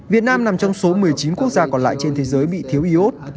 việt nam nằm trong số một mươi chín quốc gia còn lại trên thế giới bị thiếu iốt